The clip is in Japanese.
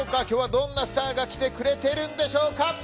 今日はどんなスターが来てくれてるんでしょうか。